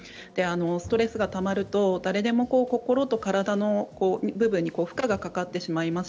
ストレスがたまると誰でも心と体の部分に負荷がかかってしまいます。